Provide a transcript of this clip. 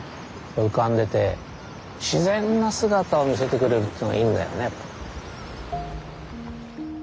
浮かんでて自然な姿を見せてくれるっていうのがいいんだよね。